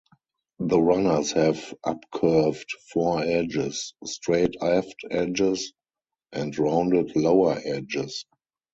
The runners have up-curved fore edges, straight aft edges, and rounded lower edges.